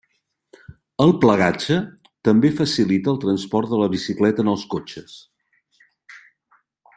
El plegatge també facilita el transport de la bicicleta en els cotxes.